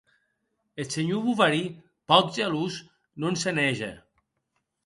Eth senhor Bovary, pòc gelós, non se’n hège.